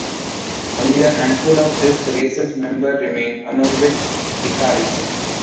Only a handful of this race’s members remained, among which Ikaris.